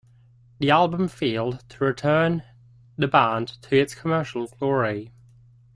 The album failed to return the band to its commercial glory.